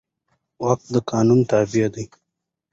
واک د قانون تابع دی.